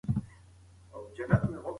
ښځه په خپل زوړ چادر کې له شماله پناه وه.